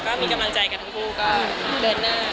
ก็มีกำลังใจกันทั้งคู่ก็เดินหน้า